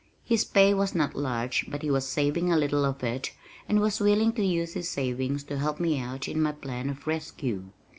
His pay was not large but he was saving a little of it and was willing to use his savings to help me out in my plan of rescue.